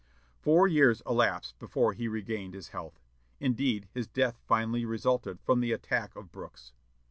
Four years elapsed before he regained his health; indeed his death finally resulted from the attack of Brooks.